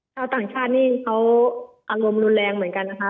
ชาวต่างชาตินี่เขาอารมณ์รุนแรงเหมือนกันนะคะ